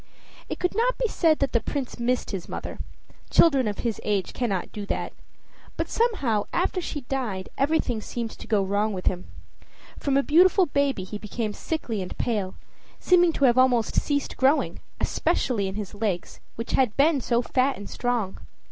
It could not be said that the Prince missed his mother children of his age cannot do that; but somehow after she died everything seemed to go wrong with him. From a beautiful baby he became sickly and pale, seeming to have almost ceased growing, especially in his legs, which had been so fat and strong.